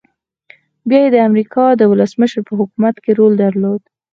بيا يې د امريکا د ولسمشر په حکومت کې رول درلود.